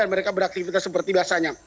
mereka beraktivitas seperti biasanya